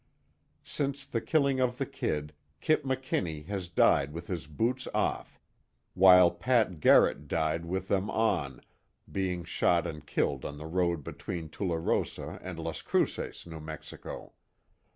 Since the killing of the "Kid," Kip McKinney has died with his boots off, while Pat Garrett died with them on, being shot and killed on the road between Tularosa and Las Cruces, New Mexico.